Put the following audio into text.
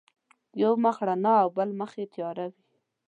یو مخ رڼا او بل مخ یې تیار وي.